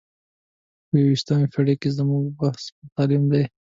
په یو ویشتمه پېړۍ کې زموږ بحث پر تعلیم دی.